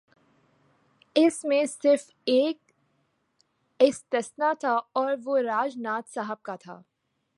اس میں صرف ایک استثنا تھا اور وہ راج ناتھ صاحب کا تھا۔